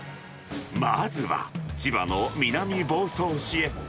まずは千葉の南房総市へ。